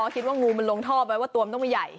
คิดว่างูมันลงท่อไปว่าตัวมันต้องไม่ใหญ่